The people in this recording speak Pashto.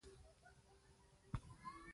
غازيان به بیا تږي او ستړي کېدلي نه وو.